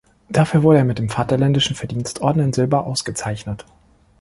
Dafür wurde er mit dem Vaterländischen Verdienstorden in Silber ausgezeichnet.